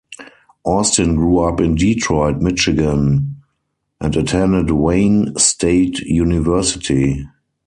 Austin grew up in Detroit, Michigan, and attended Wayne State University.